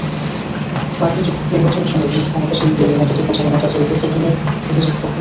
মার্কিন নির্বাচনের সময় রুশ ক্ষমতাসীনদের মদদে প্রচারণাকাজের ওপর হ্যাকিংয়ের অভিযোগ ওঠে।